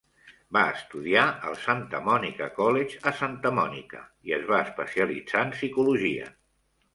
Va estudiar al Santa Monica College a Santa Monica i es va especialitzar en psicologia.